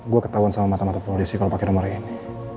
gue ketahuan sama mata mata polisi kalau pakai nomor ini